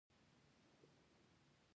کورس د همت لوړولو لاره ده.